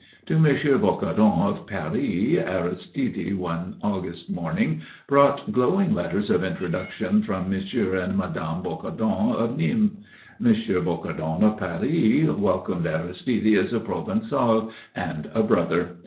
To M. Bocardon of Paris Aristide, one August morning, brought glowing letters of introduction from M. and Mme. Bocardon of Nîmes. M. Bocardon of Paris welcomed Aristide as a Provençal and a brother.